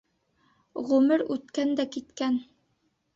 Ғүмер үткән дә киткән.